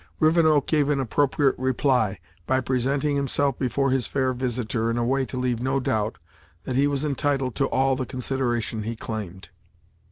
Rivenoak gave an appropriate reply, by presenting himself before his fair visitor in a way to leave no doubt that he was entitled to all the consideration he claimed.